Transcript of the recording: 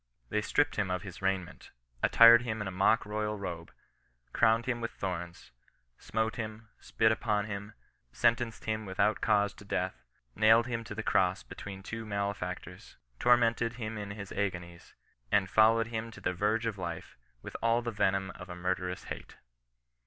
They stripped him of his raiment, attired him in a mock royal robe, crowned him with thorns, smote him, spit upon him, sentenced him without cause to death, nailed him to the cross between two malefaxjr tors, tormented him in his agonies, an^ ic>^<y«^^\5C«s^\» 41 CHRISTIAN NOX BESISTANOE. the verge of life with all the venom of a murderous hate.